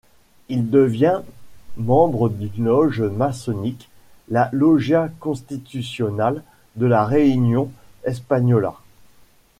Il devient membre d'une loge maçonnique, la Logia Constitucional de la Reunión Española.